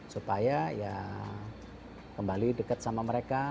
supaya ya kembali dekat sama mereka